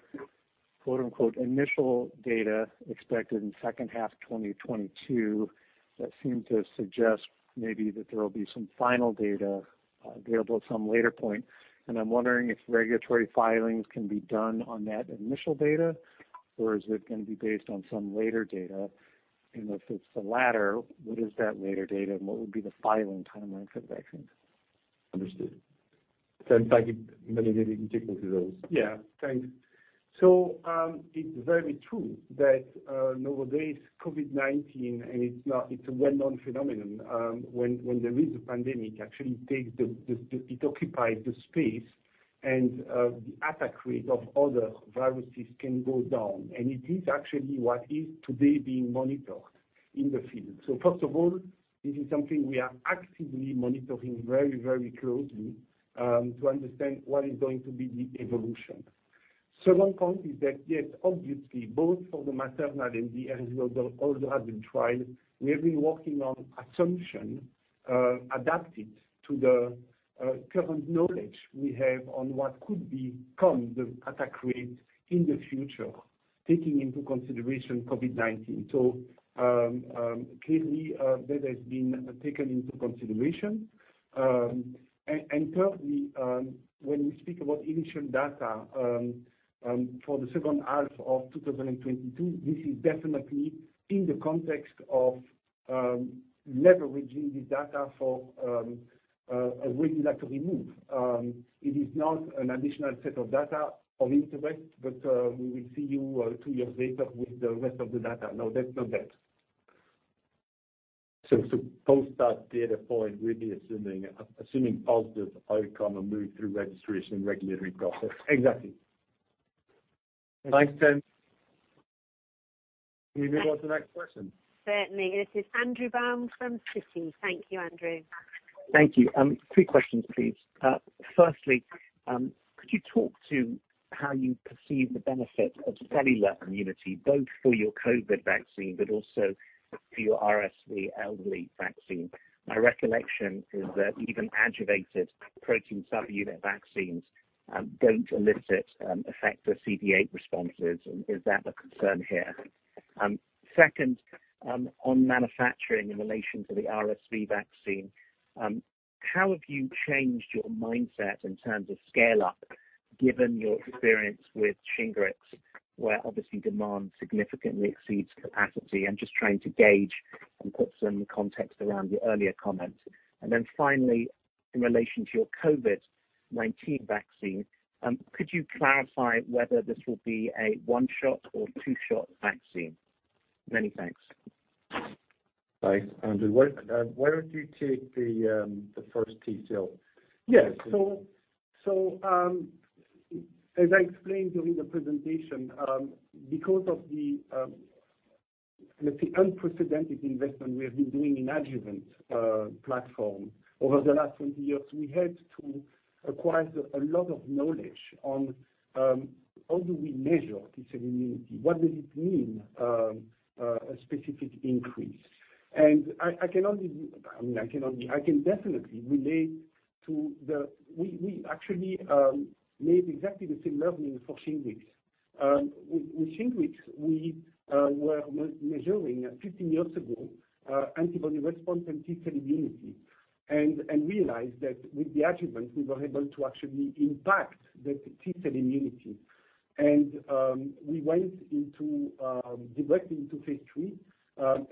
quote-unquote, "initial data expected in second half 2022," that seem to suggest maybe that there will be some final data available at some later point, and I'm wondering if regulatory filings can be done on that initial data, or is it going to be based on some later data? If it's the latter, what is that later data and what would be the filing timeline for the vaccines? Understood. In fact, maybe I'll let Manu take us through those. Yeah. Thanks. It's very true that nowadays COVID-19, and it's a well-known phenomenon, when there is a pandemic, actually it occupies the space and the attack rate of other viruses can go down. It is actually what is today being monitored in the field. First of all, this is something we are actively monitoring very closely, to understand what is going to be the evolution. Second point is that, yes, obviously, both for the maternal and the adult that also have been trialed, we have been working on assumption adapted to the current knowledge we have on what could become the attack rate in the future, taking into consideration COVID-19. Clearly, that has been taken into consideration. Thirdly, when we speak about initial data for the second half of 2022, this is definitely in the context of leveraging this data for a regulatory move. It is not an additional set of data of interest that we will see you two years later with the rest of the data. No, that's not that. Post that data point, we'll be assuming positive outcome and move through registration and regulatory process. Exactly. Thanks, Tim. Can we move on to the next question? Certainly. This is Andrew Baum from Citi. Thank you, Andrew. Thank you. Three questions, please. Firstly, could you talk to how you perceive the benefit of cellular immunity, both for your COVID vaccine, but also for your RSV elderly vaccine? My recollection is that even adjuvanted protein subunit vaccines don't elicit effective CD8 responses. Is that the concern here? Second, on manufacturing in relation to the RSV vaccine, how have you changed your mindset in terms of scale-up given your experience with SHINGRIX, where obviously demand significantly exceeds capacity? I'm just trying to gauge and put some context around the earlier comment. Finally, in relation to your COVID-19 vaccine. Could you clarify whether this will be a one-shot or two-shot vaccine? Many thanks. Thanks, Andrew. Why don't you take the first detail? Yes. As I explained during the presentation, because of the unprecedented investment we have been doing in adjuvant platform over the last 20 years, we had to acquire a lot of knowledge on how do we measure T-cell immunity. What does it mean, a specific increase? I can definitely relate. We actually made exactly the same learning for SHINGRIX. With SHINGRIX, we were measuring, 15 years ago, antibody response and T-cell immunity and realized that with the adjuvant, we were able to actually impact the T-cell immunity. We went directly into phase III,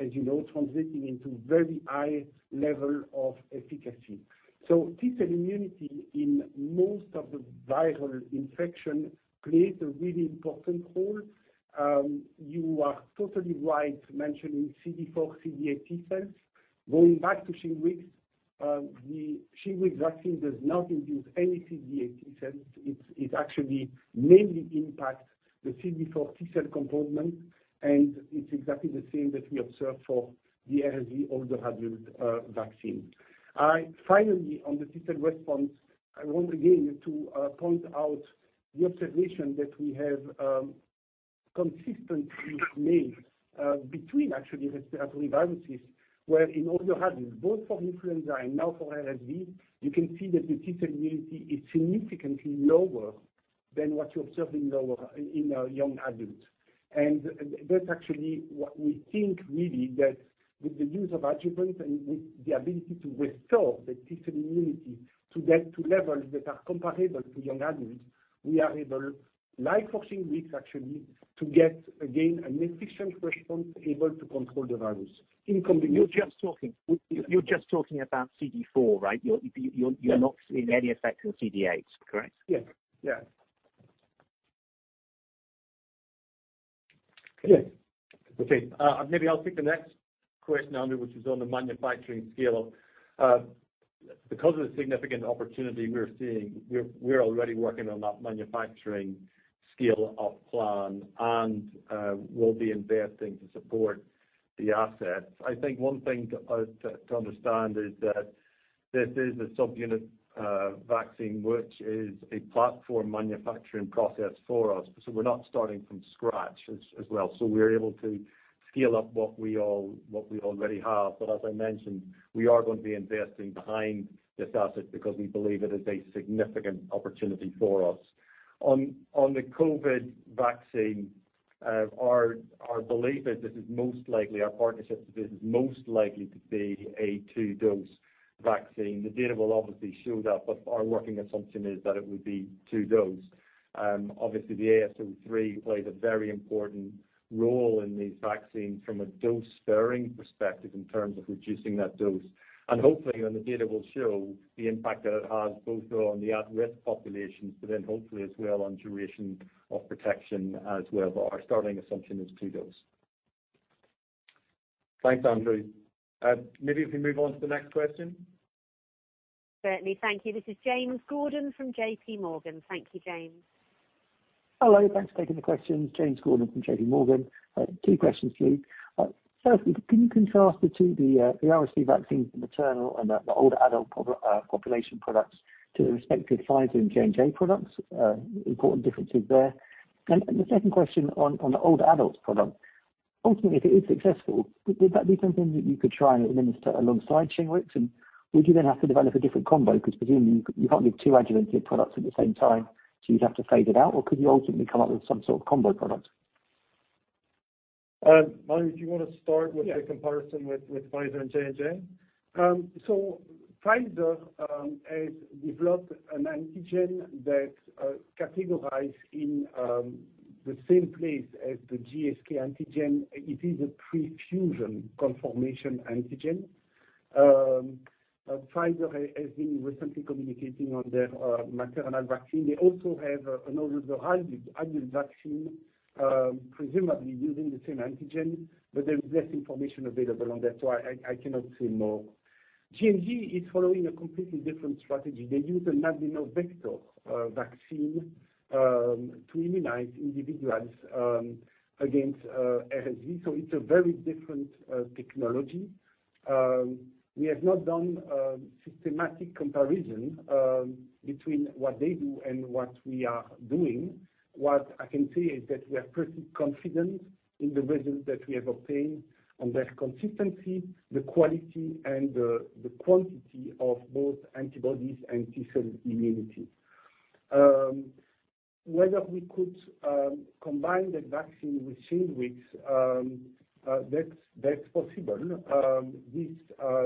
as you know, translating into very high level of efficacy. T-cell immunity in most of the viral infection creates a really important role. You are totally right mentioning CD4, CD8 T-cells. Going back to SHINGRIX, the SHINGRIX vaccine does not induce any CD8 T-cells. It actually mainly impacts the CD4 T-cell component, and it's exactly the same that we observe for the RSV older adult vaccine. Finally, on the T-cell response, I want again, to point out the observation that we have consistently made between actually respiratory viruses, where in older adults, both for influenza and now for RSV, you can see that the T-cell immunity is significantly lower than what you observe in our young adults. That's actually what we think, really, that with the use of adjuvants and with the ability to restore the T-cell immunity to get to levels that are comparable to young adults, we are able, like for SHINGRIX, actually, to get, again, an efficient response able to control the virus in combination. You're just talking about CD4, right? Yes. You're not seeing any effect on CD8, correct? Yes. Okay. Maybe I'll take the next question, Andrew, which is on the manufacturing scale. Of the significant opportunity we're seeing, we're already working on that manufacturing scale-up plan, and we'll be investing to support the assets. I think one thing to understand is that this is a subunit vaccine, which is a platform manufacturing process for us. We're not starting from scratch as well. We're able to scale up what we already have. As I mentioned, we are going to be investing behind this asset because we believe it is a significant opportunity for us. On the COVID vaccine, our belief is this is most likely, our partnership with this is most likely to be a two-dose vaccine. The data will obviously show that. Our working assumption is that it would be two-dose. Obviously, the AS03 plays a very important role in these vaccines from a dose-sparing perspective in terms of reducing that dose. Hopefully, the data will show the impact that it has both on the at-risk populations, but then hopefully as well on duration of protection as well. Our starting assumption is two dose. Thanks, Andrew. Maybe if we move on to the next question. Certainly. Thank you. This is James Gordon from JPMorgan. Thank you, James. Hello. Thanks for taking the questions. James Gordon from JPMorgan. Two questions for you. Firstly, can you contrast the RSV vaccine for maternal and the older adult population products to the respective Pfizer and J&J products, important differences there? The second question on the older adults product, ultimately, if it is successful, would that be something that you could try and administer alongside SHINGRIX, and would you then have to develop a different combo? Because presumably, you can't give two adjuvanted products at the same time, so you'd have to fade it out. Or could you ultimately come up with some sort of combo product? Manu, do you want to start with the comparison with Pfizer and J&J? Pfizer has developed an antigen that categorize in the same place as the GSK antigen. It is a pre-fusion conformation antigen. Pfizer has been recently communicating on their maternal vaccine. They also have an older adult vaccine, presumably using the same antigen, but there is less information available on that, so I cannot say more. J&J is following a completely different strategy. They use an adenovector vaccine to immunize individuals against RSV, so it's a very different technology. We have not done a systematic comparison between what they do and what we are doing. What I can say is that we are pretty confident in the results that we have obtained on their consistency, the quality, and the quantity of both antibodies and T-cell immunity. Whether we could combine the vaccine with SHINGRIX, that's possible. This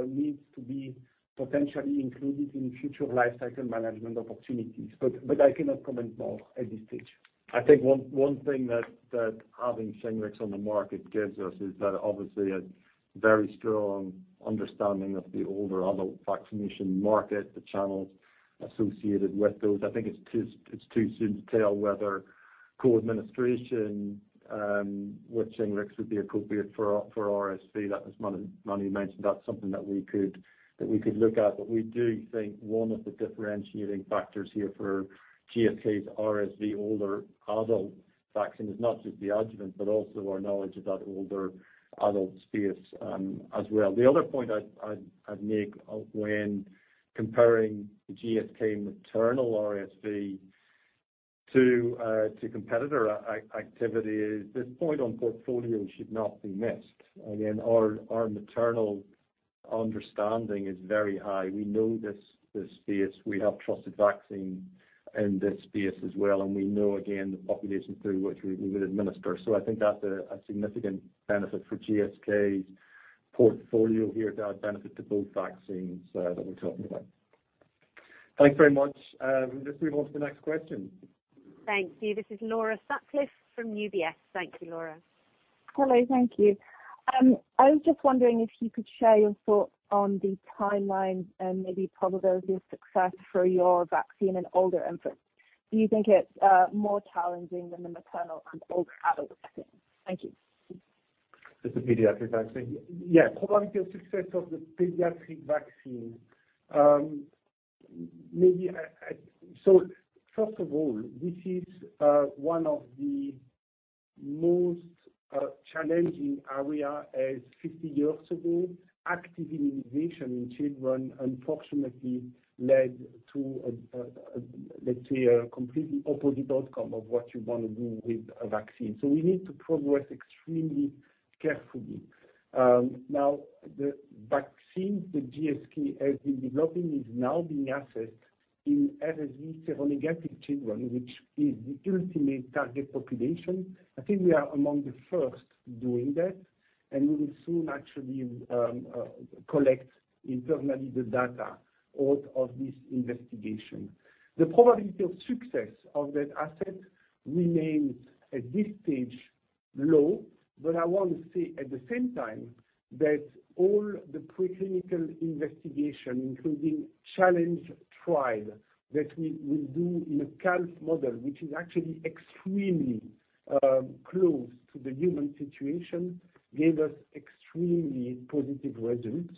needs to be potentially included in future life cycle management opportunities. I cannot comment more at this stage. I think one thing that having SHINGRIX on the market gives us is that obviously a very strong understanding of the older adult vaccination market, the channels associated with those. I think it's too soon to tell whether Co-administration, which SHINGRIX would be appropriate for RSV. That was one Manu mentioned. That's something that we could look at. We do think one of the differentiating factors here for GSK's RSV older adult vaccine is not just the adjuvant, but also our knowledge of that older adult space as well. The other point I'd make when comparing the GSK maternal RSV to competitor activity is this point on portfolio should not be missed. Again, our maternal understanding is very high. We know this space. We have trusted vaccine in this space as well, and we know, again, the population through which we would administer. I think that's a significant benefit for GSK's portfolio here to add benefit to both vaccines that we're talking about. Thanks very much. Let's move on to the next question. Thank you. This is Laura Sutcliffe from UBS. Thank you, Laura. Hello. Thank you. I was just wondering if you could share your thoughts on the timeline and maybe probability of success for your vaccine in older infants. Do you think it's more challenging than the maternal and older adult vaccine? Thank you. Just the pediatric vaccine? Yeah. Probability of success of the pediatric vaccine. First of all, this is one of the most challenging area, as 50 years ago, active immunization in children unfortunately led to a, let's say, a completely opposite outcome of what you want to do with a vaccine. We need to progress extremely carefully. Now, the vaccine that GSK has been developing is now being assessed in RSV seronegative children, which is the ultimate target population. I think we are among the first doing that, and we will soon actually collect internally the data out of this investigation. The probability of success of that asset remains at this stage low, but I want to say at the same time that all the preclinical investigation, including challenge trial that we do in a calf model, which is actually extremely close to the human situation, gave us extremely positive results,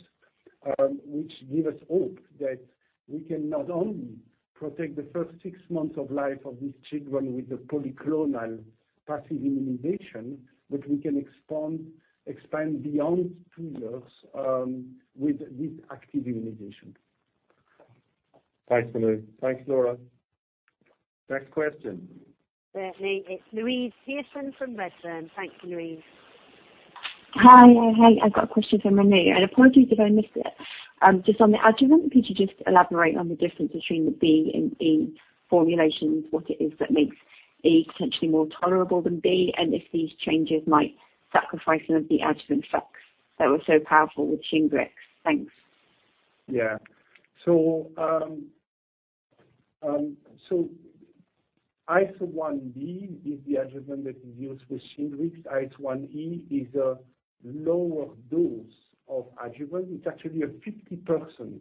which give us hope that we can not only protect the first six months of life of these children with the polyclonal passive immunization, but we can expand beyond two years with this active immunization. Thanks, Manu. Thanks, Laura. Next question. Certainly. It's Louise Pearson from Redburn. Thanks, Louise. Hi. I've got a question for Manu, and apologies if I missed it. Just on the adjuvant, could you just elaborate on the difference between the B and E formulations, what it is that makes E potentially more tolerable than B, and if these changes might sacrifice some of the adjuvant effects that were so powerful with Shingrix? Thanks. Yeah. AS01B is the adjuvant that is used for SHINGRIX. AS01E is a lower dose of adjuvant. It's actually a 50%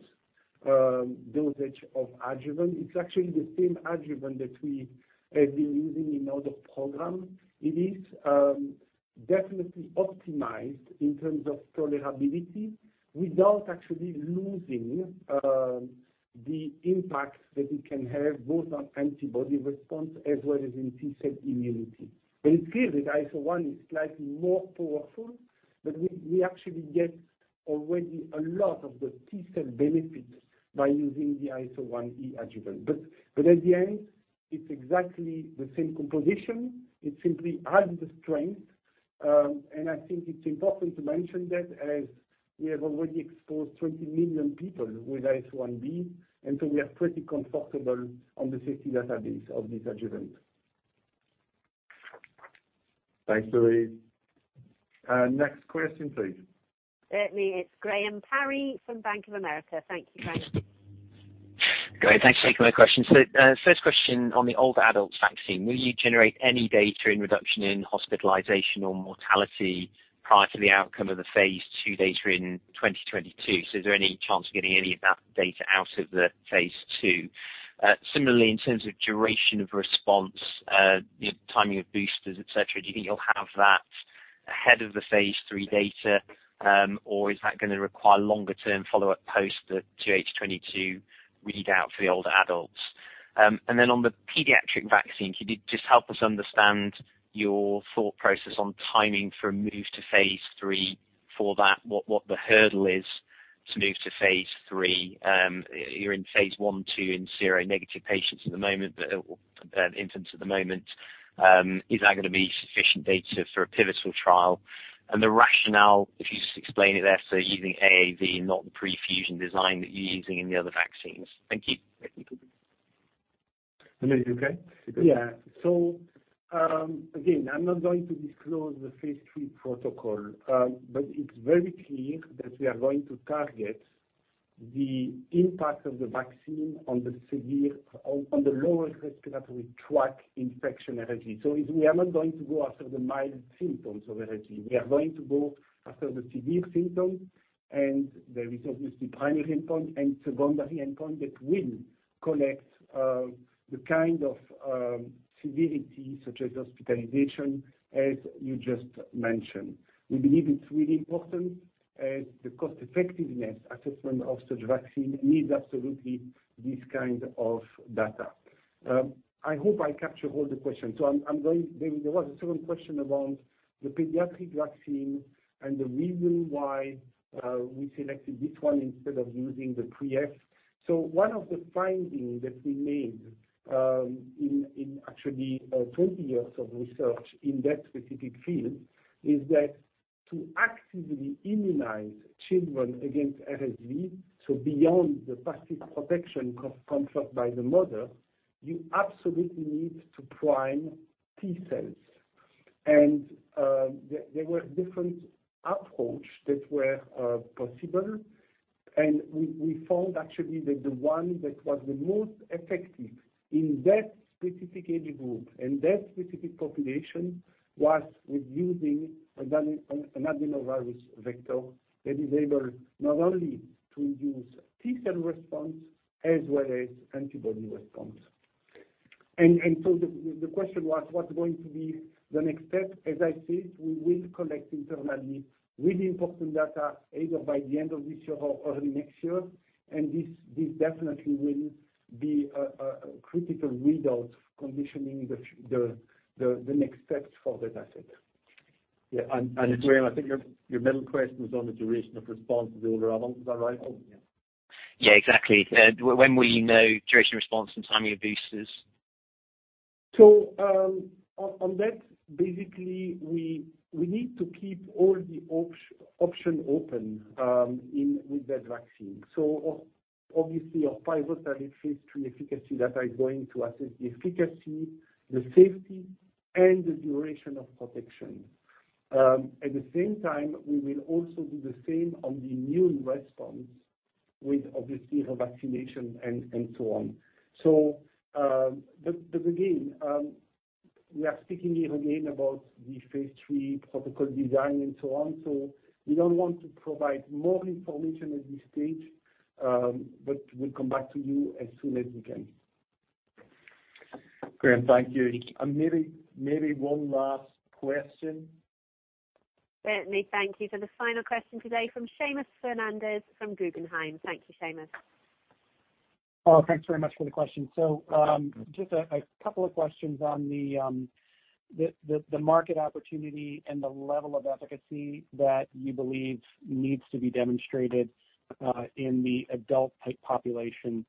dosage of adjuvant. It's actually the same adjuvant that we have been using in other program. It is definitely optimized in terms of tolerability without actually losing the impact that it can have, both on antibody response as well as in T-cell immunity. It's clear that AS01B is slightly more powerful, but we actually get already a lot of the T-cell benefits by using the AS01E adjuvant. At the end, it's exactly the same composition. It simply halves the strength. I think it's important to mention that as we have already exposed 20 million people with AS01B, we are pretty comfortable on the safety database of this adjuvant. Thanks, Louise. Next question, please. Certainly. It's Graham Parry from Bank of America. Thank you, Graham. Great. Thanks for taking my question. First question on the older adult vaccine. Will you generate any data in reduction in hospitalization or mortality prior to the outcome of the phase II data in 2022? Is there any chance of getting any of that data out of the phase II? Similarly, in terms of duration of response, the timing of boosters, et cetera, do you think you'll have that ahead of the phase III data, or is that going to require longer term follow-up post the 2H22 readout for the older adults? On the pediatric vaccine, could you just help us understand your thought process on timing for a move to phase III for that, what the hurdle is to move to phase III? You're in phase I, II in seronegative patients at the moment, infants at the moment. Is that going to be sufficient data for a pivotal trial? The rationale, if you just explain it there. Using AAV, not the pre-fusion design that you're using in the other vaccines. Thank you. Manu, you okay? You good? Yeah. Again, I'm not going to disclose the phase III protocol, but it's very clear that we are going to target the impact of the vaccine on the lower respiratory tract infection LRTI. We are not going to go after the mild symptoms of LRTI. We are going to go after the severe symptoms, and there is obviously primary endpoint and secondary endpoint that will collect the kind of severity, such as hospitalization, as you just mentioned. We believe it's really important as the cost-effectiveness assessment of such vaccine needs absolutely this kind of data. I hope I capture all the questions. There was a second question around the pediatric vaccine and the reason why we selected this one instead of using the pre-S. One of the findings that we made in actually 20 years of research in that specific field is that to actively immunize children against RSV, beyond the passive protection conferred by the mother, you absolutely need to prime T cells. There were different approaches that were possible, and we found actually that the one that was the most effective in that specific age group, in that specific population, was with using an adenovirus vector that is able not only to induce T cell response as well as antibody response. The question was, what's going to be the next step? As I said, we will collect internally really important data either by the end of this year or early next year. This definitely will be a critical readout conditioning the next steps for that asset. Yeah, Graham, I think your middle question was on the duration of response to the other one. Is that right? Yeah. Yeah, exactly. When will you know duration response and timing of boosters? On that, basically, we need to keep all the options open with that vaccine. Obviously our pivotal phase III efficacy data is going to assess the efficacy, the safety, and the duration of protection. At the same time, we will also do the same on the immune response with obviously revaccination and so on. Again, we are speaking here again about the phase III protocol design and so on, so we don't want to provide more information at this stage, but we'll come back to you as soon as we can. Graham, thank you. Maybe one last question. Certainly. Thank you. The final question today from Seamus Fernandez from Guggenheim. Thank you, Seamus. Thanks very much for the question. Just a couple of questions on the market opportunity and the level of efficacy that you believe needs to be demonstrated in the adult population.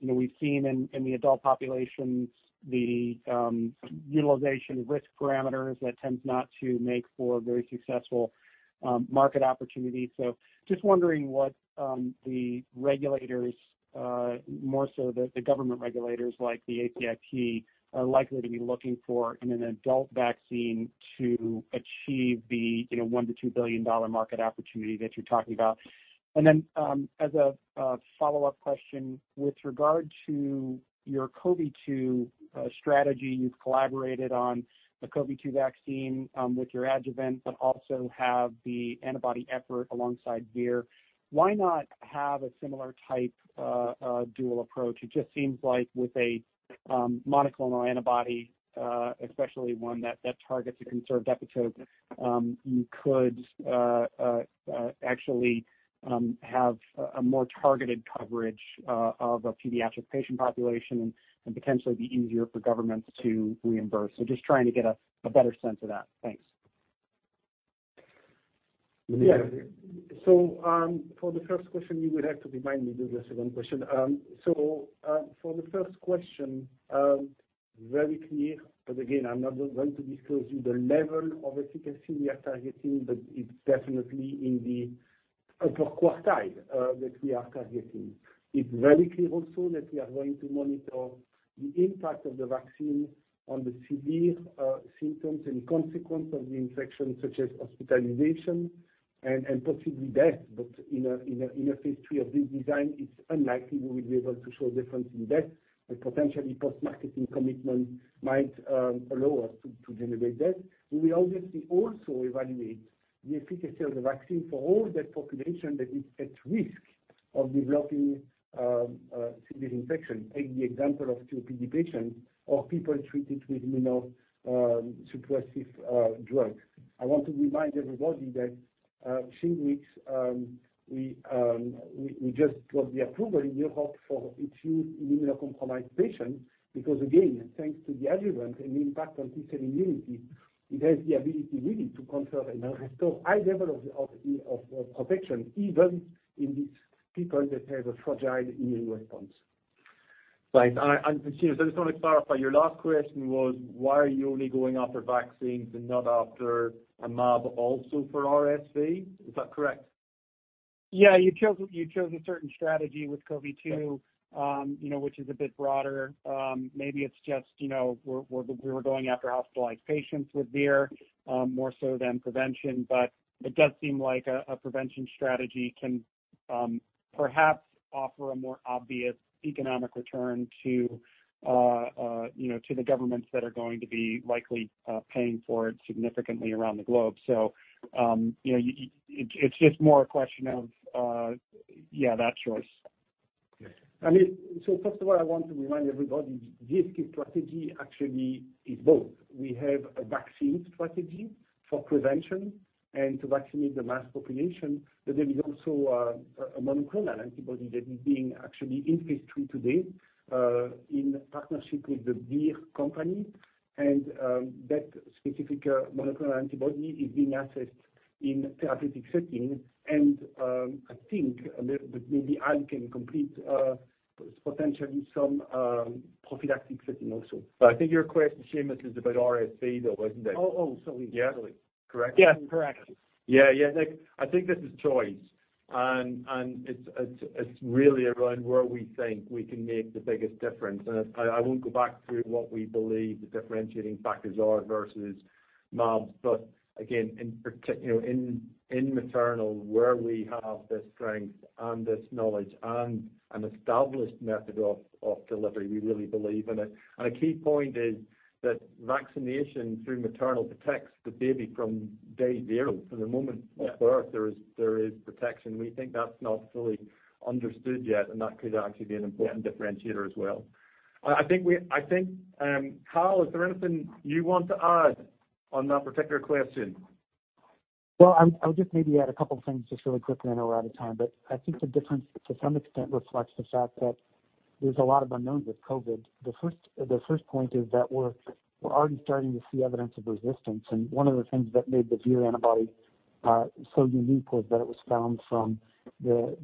We've seen in the adult population the utilization risk parameters that tends not to make for very successful market opportunities. Just wondering what the regulators, more so the government regulators like the ACIP, are likely to be looking for in an adult vaccine to achieve the GBP 1 billion-GBP 2 billion market opportunity that you're talking about. As a follow-up question, with regard to your CoV-2 strategy, you've collaborated on the CoV-2 vaccine with your adjuvant, but also have the antibody effort alongside Vir. Why not have a similar type dual approach? It just seems like with a monoclonal antibody, especially one that targets a conserved epitope, you could actually have a more targeted coverage of a pediatric patient population and potentially be easier for governments to reimburse. Just trying to get a better sense of that. Thanks. Yeah. For the first question, you would have to remind me the second question. For the first question, very clear, but again, I'm not going to disclose you the level of efficacy we are targeting, but it's definitely in the upper quartile that we are targeting. It's very clear also that we are going to monitor the impact of the vaccine on the severe symptoms and consequence of the infection, such as hospitalization and possibly death. In a phase III of this design, it's unlikely we will be able to show difference in death, but potentially post-marketing commitment might allow us to generate that. We will obviously also evaluate the efficacy of the vaccine for all the population that is at risk of developing serious infection. Take the example of COPD patients or people treated with immunosuppressive drugs. I want to remind everybody that a few weeks, we just got the approval in Europe for its use in immunocompromised patients because, again, thanks to the adjuvant and the impact on T cell immunity, it has the ability really to confer a high level of protection, even in these people that have a fragile immune response. Right. Seamus, I just want to clarify, your last question was why are you only going after vaccines and not after a mAb also for RSV? Is that correct? Yeah. You chose a certain strategy with CoV-2. which is a bit broader. Maybe it's just we were going after hospitalized patients with Vir more so than prevention, but it does seem like a prevention strategy can perhaps offer a more obvious economic return to the governments that are going to be likely paying for it significantly around the globe. It's just more a question of that choice. Yes. First of all, I want to remind everybody, GSK strategy actually is both. We have a vaccine strategy for prevention and to vaccinate the mass population, there is also a monoclonal antibody that is being actually in phase III today, in partnership with the Vir company. That specific monoclonal antibody is being assessed in therapeutic setting and, I think maybe Hal can complete, potentially some prophylactic setting also. I think your question, Seamus, is about RSV, though, isn't it? Oh, sorry. Yeah. Correct? Yes. Correct. Yeah. I think this is choice, it's really around where we think we can make the biggest difference. I won't go back through what we believe the differentiating factors are versus mAbs. Again, in maternal, where we have this strength and this knowledge and an established method of delivery, we really believe in it. A key point is that vaccination through maternal protects the baby from day zero. From the moment of birth, there is protection. We think that's not fully understood yet, and that could actually be an important differentiator as well. Hal, is there anything you want to add on that particular question? I would just maybe add a couple things just really quickly. I know we're out of time. I think the difference to some extent reflects the fact that there's a lot of unknowns with COVID-19. The first point is that we're already starting to see evidence of resistance, and one of the things that made the Vir antibody so unique was that it was found from the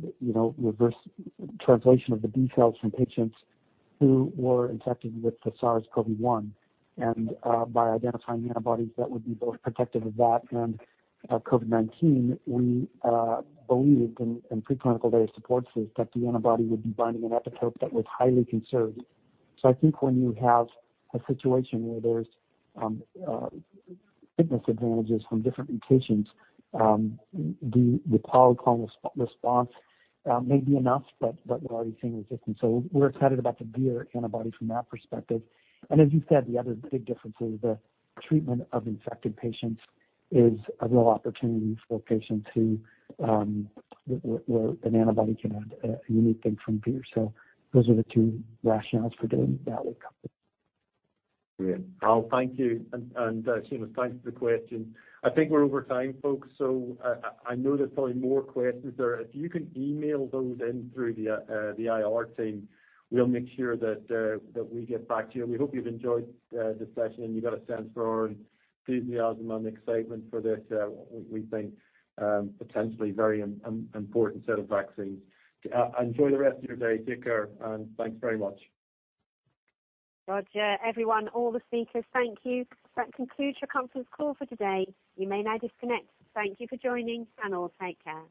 reverse translation of the B cells from patients who were infected with the SARS-CoV-1. By identifying antibodies that would be both protective of that and COVID-19, we believed, and preclinical data supports this, that the antibody would be binding an epitope that was highly conserved. I think when you have a situation where there's fitness advantages from different mutations, the polyclonal response may be enough, but we're already seeing resistance. We're excited about the Vir antibody from that perspective. As you said, the other big difference is the treatment of infected patients is a real opportunity for patients where an antibody can add a unique thing from Vir. Those are the two rationales for doing that. Great. Hal, thank you. Seamus, thanks for the question. I think we're over time, folks, so I know there's probably more questions there. If you can email those in through the IR team, we'll make sure that we get back to you. We hope you've enjoyed the session, and you got a sense for our enthusiasm and excitement for this, we think potentially very important set of vaccines. Enjoy the rest of your day. Take care, and thanks very much. Roger. Everyone, all the speakers, thank you. That concludes your conference call for today. You may now disconnect. Thank you for joining, and all take care.